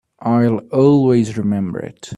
I'll always remember it.